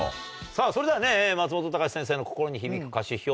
さぁそれではね松本隆先生の心に響く歌詞表現。